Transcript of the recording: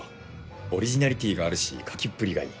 オリジナリティーがあるし描きっぷりがいい。